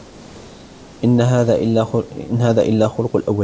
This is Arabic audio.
إن هذا إلا خلق الأولين